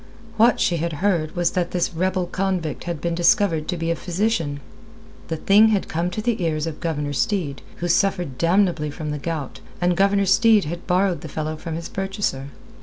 What she had heard was that this rebel convict had been discovered to be a physician. The thing had come to the ears of Governor Steed, who suffered damnably from the gout, and Governor Steed had borrowed the fellow from his purchaser.